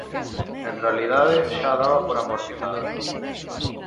En realidade xa a daba por amortizada.